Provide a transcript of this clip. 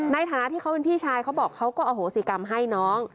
ในฐานะที่เขาเป็นพี่ชายเขาบอกเขาก็อโหสิกรรมให้น้อง